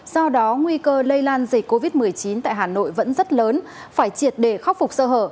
do đó nguy cơ lây lan dịch covid một mươi chín tại hà nội vẫn rất lớn phải triệt để khắc phục sơ hở